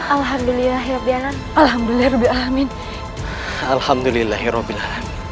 alhamdulillah ya biaran alhamdulillah alhamdulillah alhamdulillah